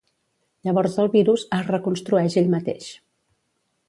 Llavors el virus es reconstrueix ell mateix.